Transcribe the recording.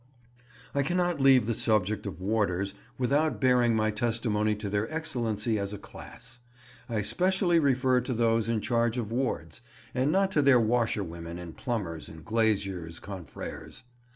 I cannot leave the subject of "warders" without bearing my testimony to their excellency as a class—I specially refer to those in charge of wards, and not to their washerwomen and plumbers and glaziers confrères.